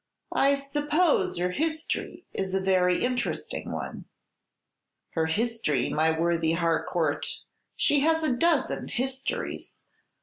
"I suppose her history is a very interesting one." "Her history, my worthy Harcourt! She has a dozen histories.